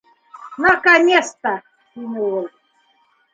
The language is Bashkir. — Наконец-то... — тине ул.